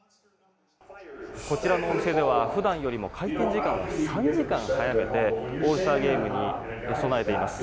こちらのお店では普段よりも開店時間を３時間早めてオールスターゲームに備えています。